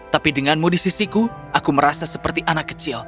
tapi denganmu di sisiku aku merasa seperti anak kecil